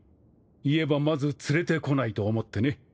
言えばまず連れてこないと思ってね。